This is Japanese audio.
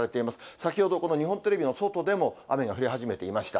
先ほど、この日本テレビの外でも雨が降り始めていました。